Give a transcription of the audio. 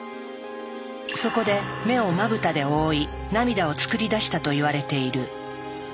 そこで目をまぶたで覆い「涙」を作り出したといわれている。